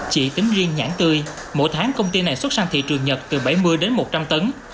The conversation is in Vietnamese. chỉ tính riêng nhãn tươi mỗi tháng công ty này xuất sang thị trường nhật từ bảy mươi đến một trăm linh tấn